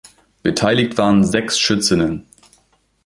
Beteiligt waren sechs Schützinnen.